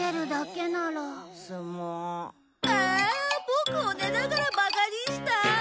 ボクを寝ながらバカにした！